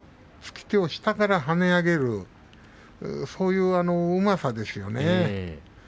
御嶽海の玉鷲の突き手を下から跳ね上げるそういううまさですよね。